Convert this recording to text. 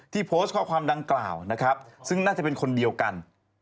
โพสต์ข้อความดังกล่าวนะครับซึ่งน่าจะเป็นคนเดียวกัน